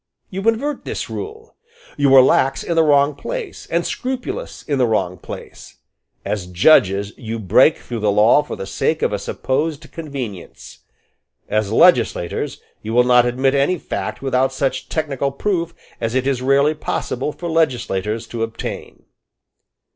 You invert this rule. You are lax in the wrong place, and scrupulous in the wrong place. As judges, you break through the law for the sake of a supposed convenience. As legislators, you will not admit any fact without such technical proof as it is rarely possible for legislators to obtain."